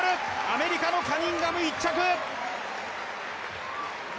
アメリカのカニンガム、１着。